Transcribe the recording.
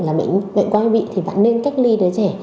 là bệnh quay bị thì bạn nên cách ly đứa trẻ